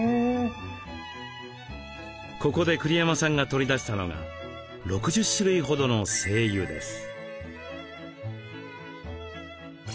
ここで栗山さんが取り出したのが６０種類ほどの精油です。